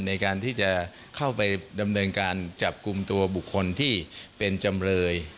ในการที่จะเข้าไปดำเนินการจับกลุ่มตัวบุคคลที่เป็นจำเลย